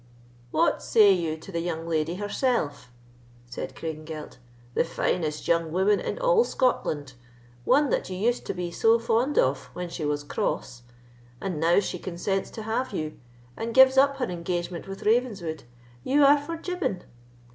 "What say you to the young lady herself?" said Craigengelt; "the finest young woman in all Scotland, one that you used to be so fond of when she was cross, and now she consents to have you, and gives up her engagement with Ravenswood, you are for jibbing.